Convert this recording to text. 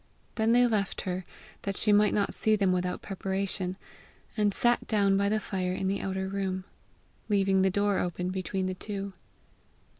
Then they left her, that she might not see them without preparation, and sat down by the fire in the outer room, leaving the door open between the two.